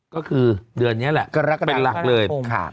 ก็คือเดือนนี้แหละกรกฎเป็นหลักเลย